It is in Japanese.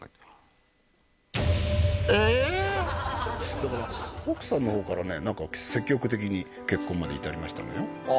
だから奥さんの方からね積極的に結婚まで至りましたのよああ